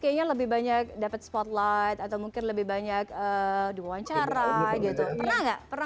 kayaknya lebih banyak dapat spotlight atau mungkin lebih banyak diwawancara gitu pernah nggak pernah